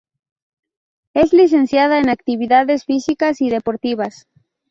Es Licenciada en actividades físicas y deportivas.